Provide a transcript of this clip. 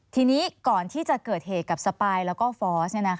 ทีนี้ก่อนที่จะเกิดเหตุกับสปายแล้วก็ฟอร์ส